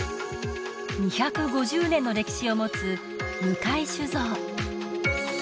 ２５０年の歴史を持つ向井酒造